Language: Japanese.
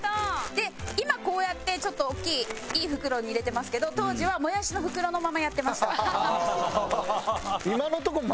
で今こうやってちょっと大きいいい袋に入れてますけど当時はもやしの袋のままやってました。